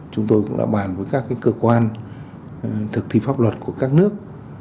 chúng tôi cũng đã bàn với các cơ quan thực thi pháp luật của các nước